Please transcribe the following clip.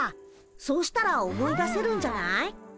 そうしたら思い出せるんじゃない？